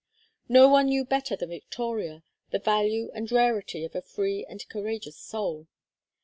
None knew better than Victoria the value and rarity of a free and courageous soul.